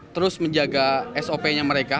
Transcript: terus menjaga sop nya mereka